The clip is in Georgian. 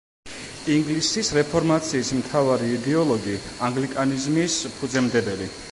ინგლისის რეფორმაციის მთავარი იდეოლოგი, ანგლიკანიზმის ფუძემდებელი.